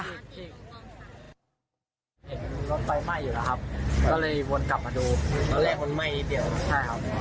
รถไฟไหม้อยู่แล้วครับก็เลยวนกลับมาดูแล้วแรกคนไหม้เดียว